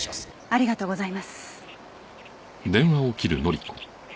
ありがとうございます。